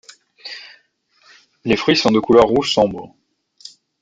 Les fruits sont de couleur rouge sombre.